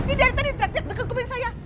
ini dari tadi teriak teriak deket kubing saya